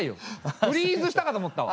フリーズしたかと思ったわ！